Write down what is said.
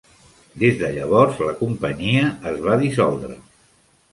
Des de llavors, la companyia es va dissoldre.